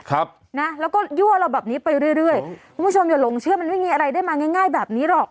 ครับนะแล้วก็ยั่วเราแบบนี้ไปเรื่อยเรื่อยคุณผู้ชมอย่าหลงเชื่อมันไม่มีอะไรได้มาง่ายง่ายแบบนี้หรอก